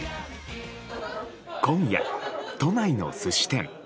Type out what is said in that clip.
今夜、都内の寿司店。